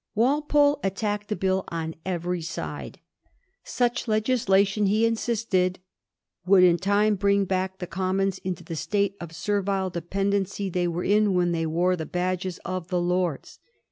Walpole attacked the Bill on every side. Such legislation, he insisted, ' would in time bring back the Commons into the state of servile dependency they were in when they wore the badges of the Lords.'